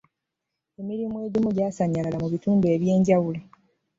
emirimu egisinga gyasanyalala mu bitundu eby'enjawulo.